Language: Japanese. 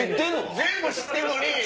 全部知ってんのに。